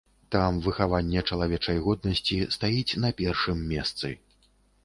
Там выхаванне чалавечай годнасці стаіць на першым месцы.